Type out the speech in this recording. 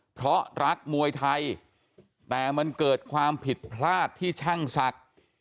เพราะรักมวยไทยแต่มันเกิดความผิดพลาดที่ช่างศักดิ์